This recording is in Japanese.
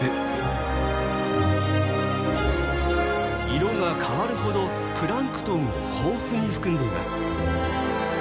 色が変わるほどプランクトンを豊富に含んでいます。